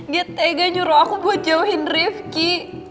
dia tega nyuruh aku buat jauhin rifqi